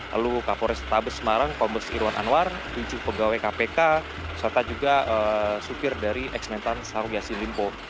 lalu kapolres tabes semarang kombes irwan anwar tujuh pegawai kpk serta juga supir dari eks mentan syahrul yassin limpo